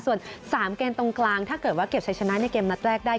ส่วน๓เกมตรงกลางถ้าเกิดว่าเก็บชัยชนะในเกมนัดแรกได้